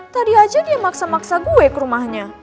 tadi aja dia maksa maksa gue ke rumahnya